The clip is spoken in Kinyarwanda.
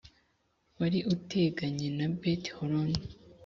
wari uteganye na beti horoni